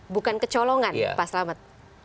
bukan kecolongan pak slamet